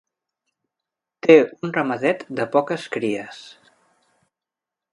Té un ramadet de poques cries.